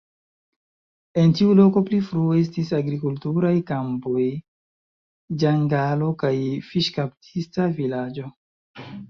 En tiu loko pli frue estis agrikulturaj kampoj, ĝangalo kaj fiŝkaptista vilaĝo.